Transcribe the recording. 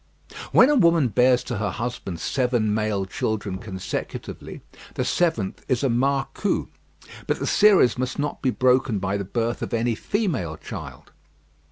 When a woman bears to her husband seven male children consecutively, the seventh is a marcou. But the series must not be broken by the birth of any female child.